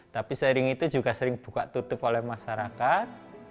tapi sering itu juga sering buka tutup oleh masyarakat